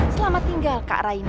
selamat tinggal kak raini